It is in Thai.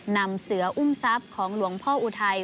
นำเสืออุ้มทรัพย์ของหลวงพ่ออุทัย